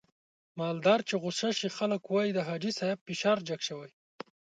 مالدار چې غوسه شي خلک واي د حاجي صاحب فشار جګ شو.